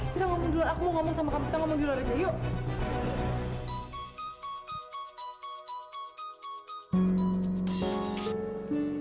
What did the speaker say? kita ngomong di luar aku mau ngomong sama kamu kita ngomong di luar aja yuk